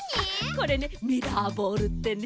これねミラーボールってね